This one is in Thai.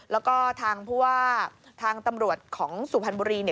แล้วก็ทางตำรวจของสุพรรณบุรี